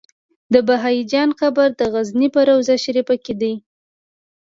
د بهايي جان قبر د غزنی په روضه شريفه کی دی